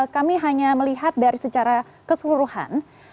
kami hanya melihat dari secara keseluruhan